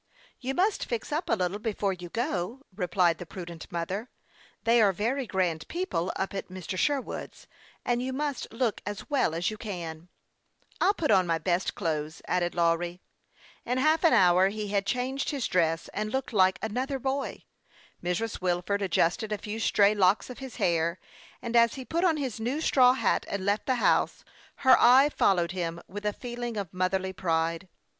" You must fix up a little before you go," added the prudent mother. " They are very grand people up at Mr. Sherwood's, and you must look as well as you can." " I'll put on my best clothes," added Lawry, as he thought of the fine ladies he had seen at the great house. In half an hour he had changed his dress, and looked like another boy. Mrs. Wilford adjusted a few stray locks of his hair, anrl as he put on his new straw hat, and left the house, her eye followed him with a feeling of motherly pride.